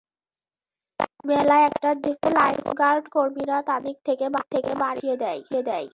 বেলা একটার দিকে লাইফগার্ড কর্মীরা তাদের সৈকত থেকে বাড়িতে পাঠিয়ে দেয়।